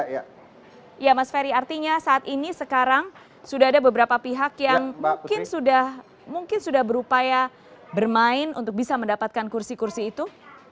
ya mas ferry artinya saat ini sekarang sudah ada beberapa pihak yang mungkin sudah berupaya bermain untuk bisa mendapatkan kursi kursi itu